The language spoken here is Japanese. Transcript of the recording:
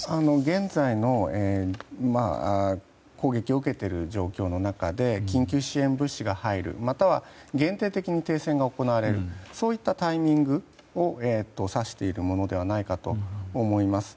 現在の攻撃を受けている状況の中で緊急支援物資が入るまたは限定的に停戦が行われるそういったタイミングを指しているものではないかと思います。